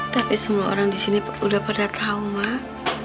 tapi semua orang di sini udah pada tahu mak